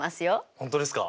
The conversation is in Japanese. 本当ですか？